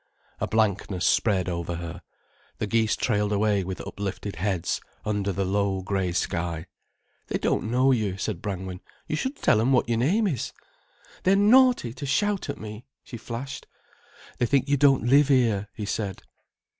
A blankness spread over her. The geese trailed away with uplifted heads under the low grey sky. "They don't know you," said Brangwen. "You should tell 'em what your name is." "They're naughty to shout at me," she flashed. "They think you don't live here," he said.